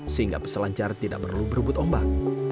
sehingga peselancar tidak perlu berebut ombak